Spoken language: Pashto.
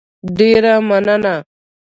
ډېره مننه